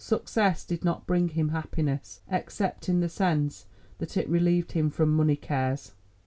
Success did not bring him happiness, except in the sense that it relieved him from money cares.